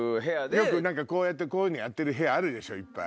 よくこういうのやってる部屋あるでしょいっぱい。